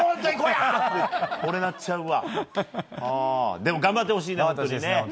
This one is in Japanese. でも、頑張ってほしいですね。